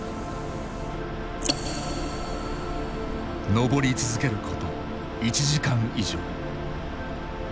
登り続けること１時間以上。